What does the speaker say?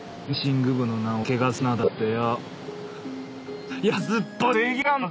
フェンシング部の名を汚すなだってよ。